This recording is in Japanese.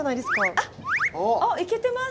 あいけてます。